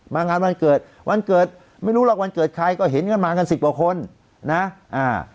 งานวันเกิดวันเกิดไม่รู้หรอกวันเกิดใครก็เห็นกันมากันสิบกว่าคนนะอ่า